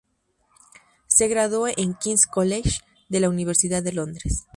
Se graduó en el King's College de la Universidad de Londres.